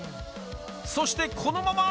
そしてこのまま。